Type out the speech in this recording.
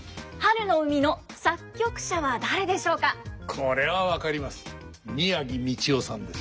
これは分かります。